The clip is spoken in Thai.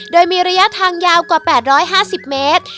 โดยมีระยะทางยาวกว่า๘๕๐เมตร